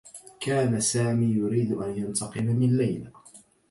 كان سامي يريد أن ينتقم من ليلى.